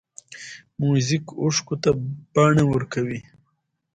موزیک اوښکو ته بڼه ورکوي.